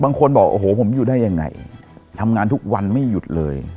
บางคนบอกโอ้โหผมอยู่ได้ยังไงทำงานทุกวันไม่หยุดเลย